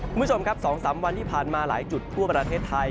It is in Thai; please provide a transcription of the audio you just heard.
คุณผู้ชมครับ๒๓วันที่ผ่านมาหลายจุดทั่วประเทศไทย